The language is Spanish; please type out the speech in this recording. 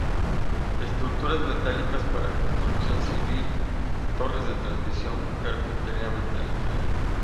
Estructuras metálicas para construcción civil, torres de transmisión, carpintería metálica.